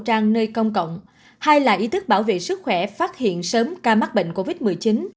trang nơi công cộng hai là ý thức bảo vệ sức khỏe phát hiện sớm ca mắc bệnh covid một mươi chín